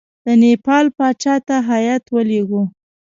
د نیپال پاچا ته هیات ولېږو.